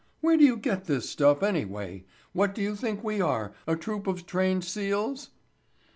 Where do you get this stuff anyway? What do you think we are—a troupe of trained seals?"